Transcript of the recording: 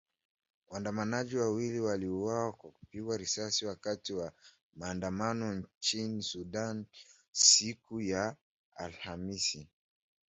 Waandamanaji wawili waliuawa kwa kupigwa risasi wakati wa maandamano nchini Sudan siku ya Alhamis!!